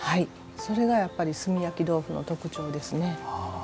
それがやっぱり炭焼き豆腐の特徴ですね。